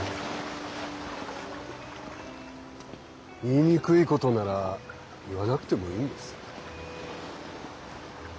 言いにくいことなら言わなくてもいいんです。